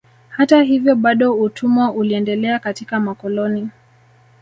Hata hivyo bado utumwa uliendelea katika makoloni